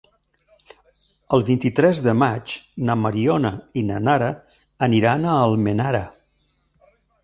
El vint-i-tres de maig na Mariona i na Nara aniran a Almenara.